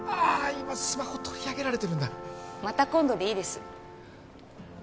今スマホ取り上げられてるんだまた今度でいいです